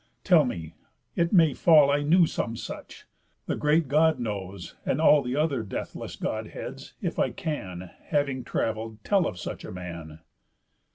Tell me. It may fall I knew some such. The great God knows, and all The other deathless Godheads, if I can, Far having travell'd, tell of such a man."